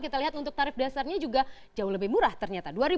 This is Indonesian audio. kita lihat untuk tarif dasarnya juga jauh lebih murah ternyata